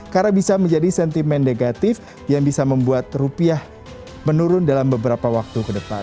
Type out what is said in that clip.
karena bisa menjadi sentimen negatif yang bisa membuat rupiah menurun dalam beberapa waktu ke depan